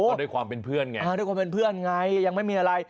ก็ด้วยความเป็นเพื่อนไงด้วยความเป็นเพื่อนไงยังไม่มีอะไร